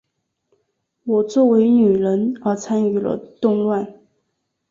我作为女人而参与了动乱。